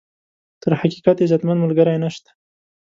تر حقیقت، عزتمن ملګری نشته.